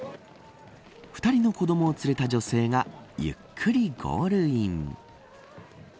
２人の子どもを連れた女性がゆっくりゴールイン。